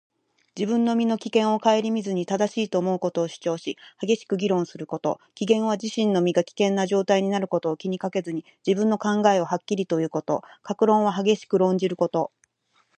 自分の身の危険を顧みずに、正しいと思うことを主張し、激しく議論すること。「危言」は自身の身が危険な状況になることを気にかけずに、自分の考えをはっきりと言うこと。「覈論」は激しく論じること。